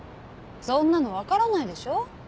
そんなの分からないでしょ。